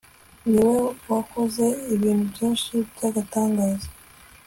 ni we wakoze ibintu byinshi by'agatangaza